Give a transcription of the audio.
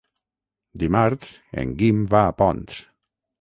Dimarts en Guim va a Ponts.